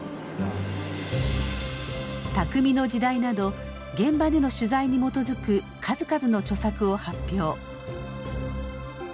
「匠の時代」など現場での取材に基づく数々の著作を発表。